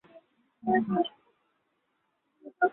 তিনি প্রাত্যহিক জীবনের সমস্যা নিয়ে গান গাইতেন।